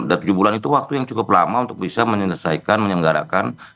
dan tujuh bulan itu waktu yang cukup lama untuk bisa menyelesaikan menyenggarakan